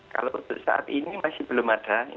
kalau untuk saat ini masih belum ada